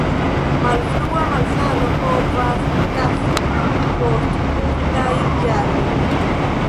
Malfrua malsano povas okazi post multaj jaroj.